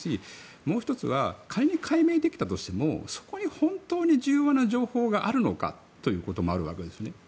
もう１つは仮に解明できたとしてもそこに本当に重要な情報があるのかということですね。